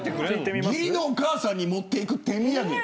義理のお母さんに持っていく手土産。